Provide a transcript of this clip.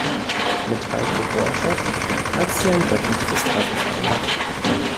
Mit Heiko Borchert hat sie ein wöchentliches Treffen vereinbart.